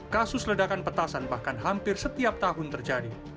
kasus ledakan petasan bahkan hampir setiap tahun terjadi